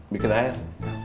masuk bu pak